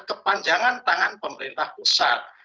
kepanjangan tangan pemerintah pusat